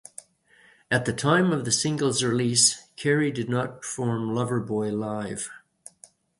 At the time of the single's release, Carey did not perform "Loverboy" live.